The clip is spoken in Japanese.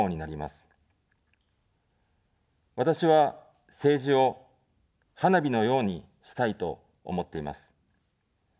私は、政治を花火のようにしたいと思っています。